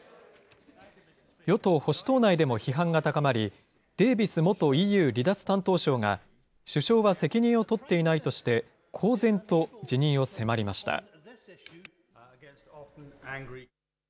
与党・保守党内でも批判が高まり、デービス元ＥＵ離脱担当相が、首相は責任を取っていないとして、公然と辞任を迫りました。